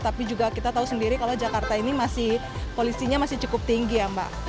tapi juga kita tahu sendiri kalau jakarta ini masih polisinya masih cukup tinggi ya mbak